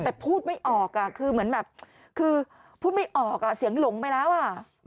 แต่พูดไม่ออกอ่ะคือเหมือนแบบคือพูดไม่ออกอ่ะเสียงหลงไปแล้วอ่ะ